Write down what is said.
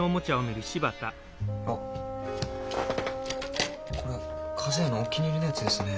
あこれ和也のお気に入りのやつですね。